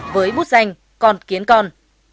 với bút danh con kiến con